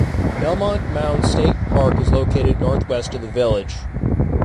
Belmont Mound State Park is located northwest of the village.